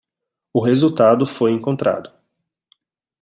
O resultado foi encontrado